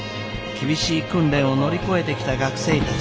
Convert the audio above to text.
厳しい訓練を乗り越えてきた学生たち。